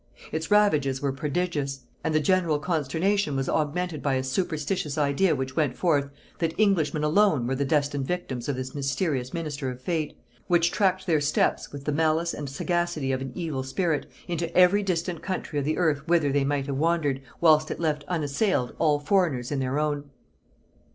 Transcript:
Its ravages were prodigious; and the general consternation was augmented by a superstitious idea which went forth, that Englishmen alone, were the destined victims of this mysterious minister of fate, which tracked their steps, with the malice and sagacity of an evil spirit, into every distant country of the earth whither they might have wandered, whilst it left unassailed all foreigners in their own.